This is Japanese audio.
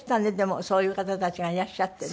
そういう方たちがいらっしゃってね。